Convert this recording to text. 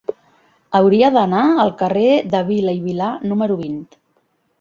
Hauria d'anar al carrer de Vila i Vilà número vint.